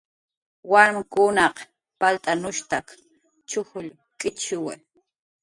Warmkunaq palt'anushtak chujll k'ichshuwi.